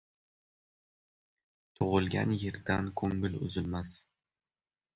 Tug'ilgan yerdan ko'ngil uzilmas